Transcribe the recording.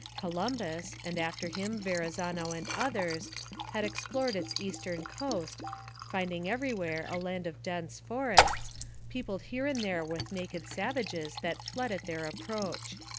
Columbus, and after him Verrazano and others, had explored its eastern coast, finding everywhere a land of dense forests, peopled here and there with naked savages that fled at their approach.